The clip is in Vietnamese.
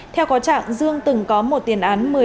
theo có trạng dương từng có một tiền án một mươi năm tuổi